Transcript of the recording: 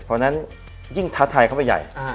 เพราะฉะนั้นยิ่งท้าทายเข้าไปใหญ่